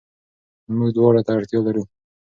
موږ دواړو ته اړتيا لرو.